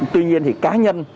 tuy nhiên thì cá nhân